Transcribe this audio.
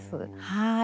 はい。